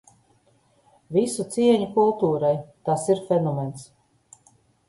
Visu cieņu kultūrai. Tas ir fenomens.